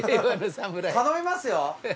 頼みますよ。